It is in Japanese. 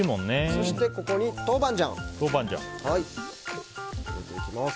そして、ここに豆板醤を入れていきます。